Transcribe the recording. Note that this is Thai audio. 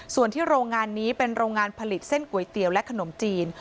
ส่วนที่โรงงานนี้เป็นโรงงานผลิตเส้นก๋วยเตี๋ยวและขนมจีน